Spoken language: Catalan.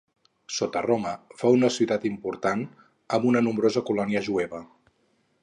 Sota Roma, fou una ciutat important, amb una nombrosa colònia jueva.